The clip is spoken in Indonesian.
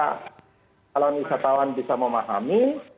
kalau wisatawan bisa memahami